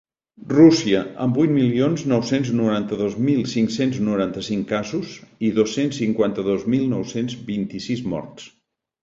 Rússia, amb vuit milions nou-cents noranta-dos mil cinc-cents noranta-cinc casos i dos-cents cinquanta-dos mil nou-cents vint-i-sis morts.